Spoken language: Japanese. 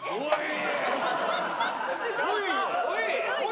おい！